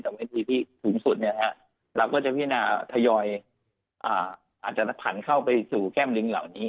แต่เวทีที่สูงสุดเราก็จะพินาทยอยอาจจะผันเข้าไปสู่แก้มลิงเหล่านี้